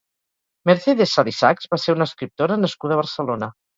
Mercedes Salisachs va ser una escriptora nascuda a Barcelona.